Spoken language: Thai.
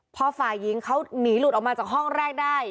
พอฝ่ายหญิงเขาหนีหลุดออกมาจากห้องแรกได้